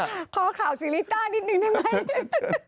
ขอแค่ข่าวสีลิต้านิดนึงใช่ไหม